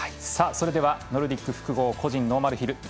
それではノルディック複合個人ノーマルヒル